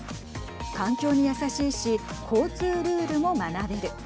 環境にやさしいし交通ルールも学べる。